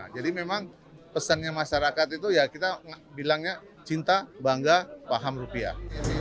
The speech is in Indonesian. jadi memang pesannya masyarakat itu ya kita bilangnya cinta bangga paham rupiah